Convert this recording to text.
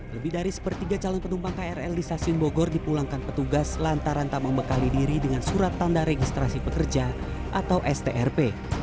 lebih dari sepertiga calon penumpang krl di stasiun bogor dipulangkan petugas lantaran tak membekali diri dengan surat tanda registrasi pekerja atau strp